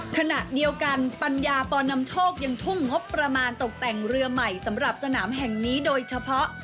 ขณะเดียวกันปัญญาปอนำโชคยังทุ่มงบประมาณตกแต่งเรือใหม่สำหรับสนามแห่งนี้โดยเฉพาะ